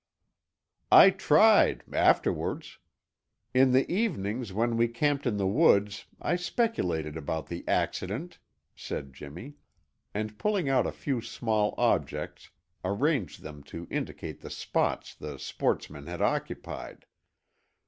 "I tried, afterwards. In the evenings when we camped in the woods I speculated about the accident," said Jimmy, and pulling out a few small objects arranged them to indicate the spots the sportsmen had occupied.